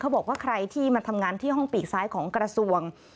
บอกว่าใครที่มาทำงานที่ห้องปีกซ้ายของกระทรวง